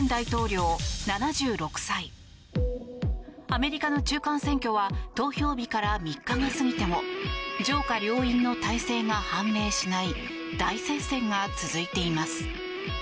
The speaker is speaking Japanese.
アメリカの中間選挙は投票日から３日が過ぎても上下両院の大勢が判明しない大接戦が続いています。